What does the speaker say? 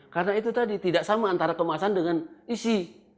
karena itu tadi tidak sama antara pemasan dengan isi